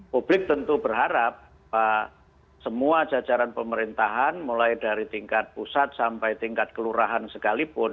publik tentu berharap semua jajaran pemerintahan mulai dari tingkat pusat sampai tingkat kelurahan sekalipun